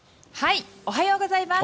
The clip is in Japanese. おはようございます。